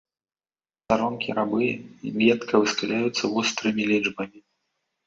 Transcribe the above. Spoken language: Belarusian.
Старонкі рабыя едка выскаляюцца вострымі лічбамі.